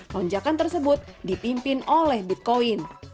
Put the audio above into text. lonjakan tersebut dipimpin oleh bitcoin